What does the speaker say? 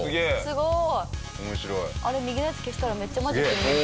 すごい！あれ右のやつ消したらめっちゃマジックに見える。